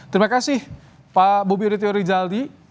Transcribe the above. terima kasih pak bobby rityuri jaldi